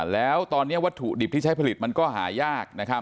แล้วตอนนี้วัตถุดิบที่ใช้ผลิตมันก็หายาก